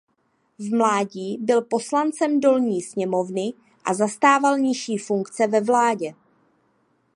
V mládí byl poslancem Dolní sněmovny a zastával nižší funkce ve vládě.